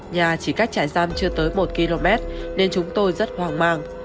nhà chỉ cách trại giam chưa tới một km nên chúng tôi rất hoang mang